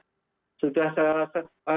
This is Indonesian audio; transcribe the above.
nah sudah saya rasa cukup mumpuni profesor